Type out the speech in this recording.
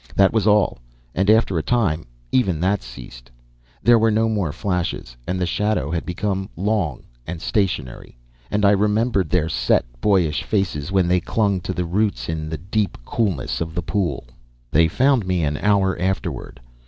That was all, and after a time even that ceased. There were no more flashes, and the shadow had become long and stationary; and I remembered their set boyish faces when they clung to the roots in the deep coolness of the pool. They found me an hour afterward.